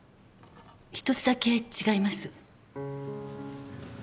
１つだけ違います。